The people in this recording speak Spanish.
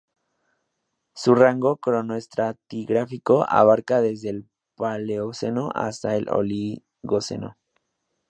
Su rango cronoestratigráfico abarca desde el Paleoceno hasta el Oligoceno.